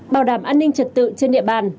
bảo đảm an ninh trật tự trên địa bàn